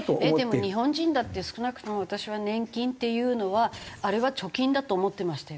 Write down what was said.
でも日本人だって少なくとも私は年金っていうのはあれは貯金だと思ってましたよ。